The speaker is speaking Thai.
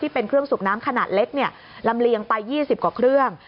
เป็นเครื่องสูบน้ำขนาดเล็กลำเลียงไป๒๐กว่าเครื่อง